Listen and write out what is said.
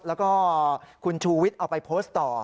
แล้วก็คุณชูวิทย์เอาไปโพสต์ต่อ